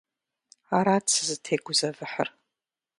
Арат сызытегузэвыхьыр.